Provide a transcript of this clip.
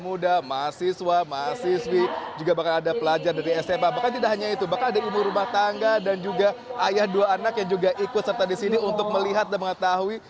muda mahasiswa mahasiswi juga bahkan ada pelajar dari sma bahkan tidak hanya itu bahkan ada ibu rumah tangga dan juga ayah dua anak yang juga ikut serta di sini untuk melihat dan mengetahui